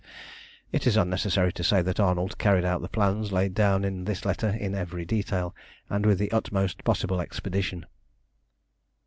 It is unnecessary to say that Arnold carried out the plans laid down in this letter in every detail, and with the utmost possible expedition.